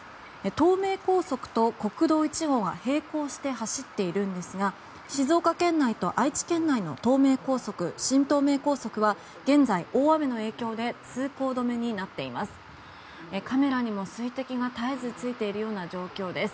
東名高速と国道１号は並行して走っているんですが静岡県内と愛知県内の東名高速、新東名高速は現在、大雨の影響で通行止めになっています。